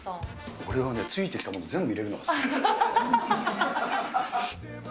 俺はね、ついてきたもの全部入れる。